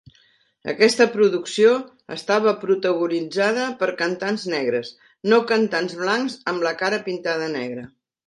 Aquesta producció estava protagonitzada per cantants negres, no cantants blancs amb la cara pintada negra.